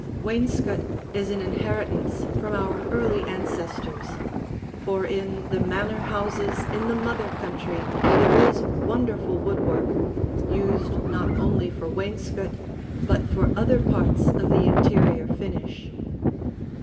Wainscot is an inheritance from our early ancestors, for in the manor houses in the mother country there is wonderful woodwork, used not only for wainscot, but for other parts of the interior finish.